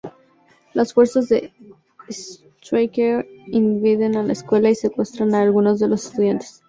Las fuerzas de Stryker invaden la escuela y secuestran a algunos de los estudiantes.